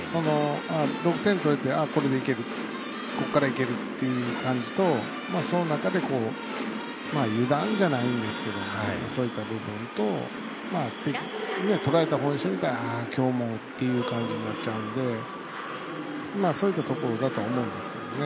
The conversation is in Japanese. ６点取れて、ああ、これでいけるここからいけるっていう感じとその中で油断じゃないんですけどそういった部分と取られたほうにしてみればああ、今日もっていう感じになっちゃうのでそういったところだとは思うんですけどね。